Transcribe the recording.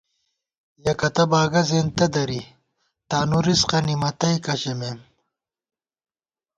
یَکَتہ باگہ زیَنتہ دری ، تانُو رِزِقہ نِمَتئیکہ ژَمېم